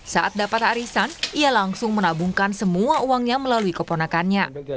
saat dapat arisan ia langsung menabungkan semua uangnya melalui keponakannya